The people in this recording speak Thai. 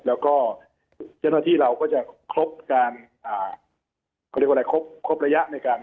แล้วก็เจ้าหน้าที่เราก็จะครบระยะในการเปลี่ยนอาการ